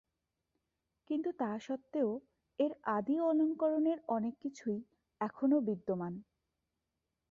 কিন্তু তা সত্ত্বেও এর আদি অলংকরণের অনেক কিছুই এখনও বিদ্যমান।